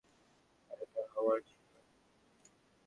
এটা হওয়ারই ছিলো।